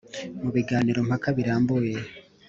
Mu biganiro mpaka birambuye